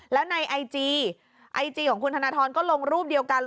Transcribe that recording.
แล้วในไอจีไอจีของคุณธนทรก็ลงรูปเดียวกัน